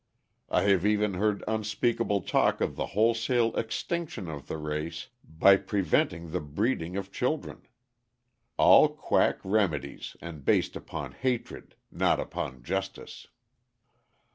I have even heard unspeakable talk of the wholesale extinction of the race by preventing the breeding of children! All quack remedies and based upon hatred, not upon justice.